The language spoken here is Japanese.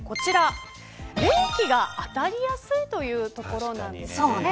冷気が当たりやすいというところなんです。